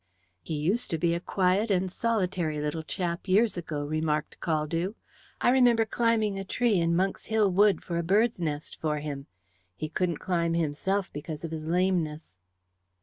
"He used to be a quiet and solitary little chap years ago," remarked Caldew. "I remember climbing a tree in Monk's Hill wood for a bird's nest for him. He couldn't climb himself because of his lameness."